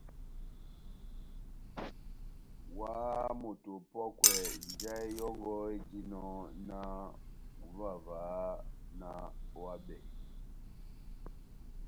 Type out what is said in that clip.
Óháháha moto opɔ́kwɛ njahɛ yɔngɔ éjinɔ náh ohimavaha náh ohábɛhe.